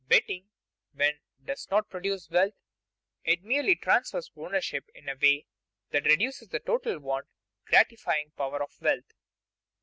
Betting, then, does not produce wealth; it merely transfers ownership in a way that reduces the total want gratifying power of wealth.